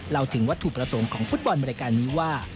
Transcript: เราถึงวัตถุประสงค์ของฟุตบอลบริการนี้ว่า